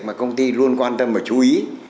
mà công ty luôn quan tâm và chú ý